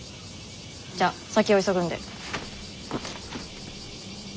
じゃ先を急ぐんで。